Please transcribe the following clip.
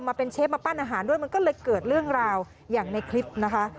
มาเป็นเชฟมาปั้นอาหารด้วยมันก็เลยเกิดเรื่องราวอย่างในคลิปนะคะ